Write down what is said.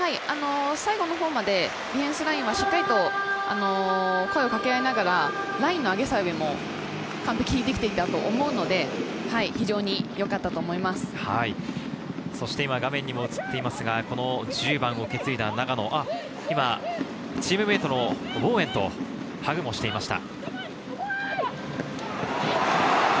最後のほうまでディフェンスラインはしっかりと声を掛け合いながら、ラインの上げ下げも効いてきていたと思うので、非常によかったと１０番を受け継いだ長野、チームメートのボウエンとハグをしていました。